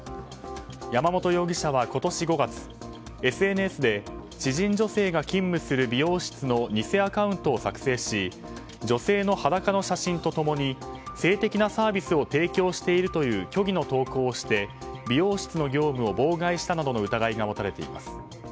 山本容疑者は今年５月、ＳＮＳで知人女性が勤務する美容室の偽アカウントを作成し女性の裸の写真と共に性的なサービスを提供しているという虚偽の投稿をして美容室の業務を妨害したなどの疑いが持たれています。